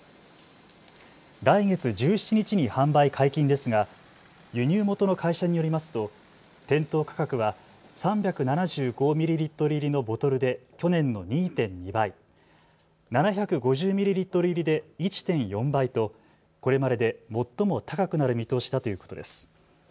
来月１７日に販売解禁ですが輸入元の会社によりますと店頭価格は３７５ミリリットル入りのボトルで去年の２．２倍、７５０ミリリットル入りで１．４倍とこれまでで最も高くなる見通しだということです。